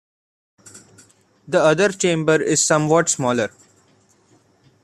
The other chamber is somewhat smaller.